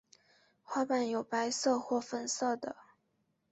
花瓣有白色或粉色的。